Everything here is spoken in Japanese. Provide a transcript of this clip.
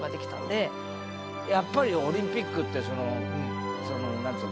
やっぱりオリンピックってそのなんつうの？